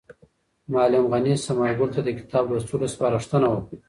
معلم غني ثمر ګل ته د کتاب لوستلو سپارښتنه وکړه.